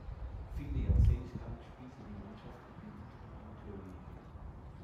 Viele Jahrzehnte lang spielte die Mannschaft in den unteren Amateurligen.